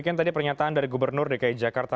demikian tadi pernyataan dari gubernur dki jakarta